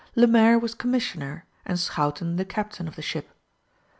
Lemaire was commissioner, and Schouten the captain of the ship.